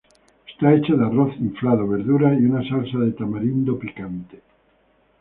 Está hecho de arroz inflado, verduras y una salsa de tamarindo picante.